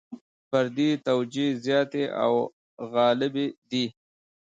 فردي توجیې زیاتې او غالبې دي.